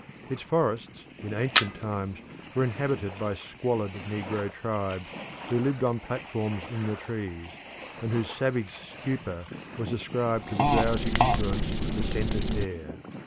Its forests in ancient times were inhabited by squalid negro tribes who lived on platforms in the trees, and whose savage stupor was ascribed to the drowsy influence of the scented air.